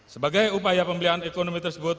sebagai upaya pembelian ekonomi tersebut